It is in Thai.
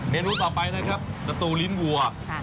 นูต่อไปนะครับสตูลิ้นวัว